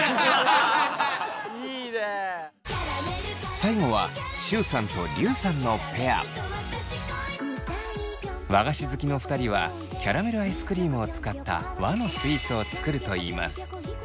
最後は和菓子好きの２人はキャラメルアイスクリームを使った和のスイーツを作るといいます。